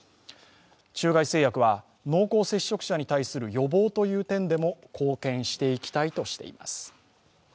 中外製薬は濃厚接触者に対する予防という点でも貢献していきたいとしています。